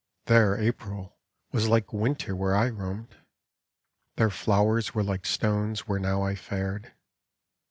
Their April was like Winter where I roamed ; Their flowers were like stones where now I fared.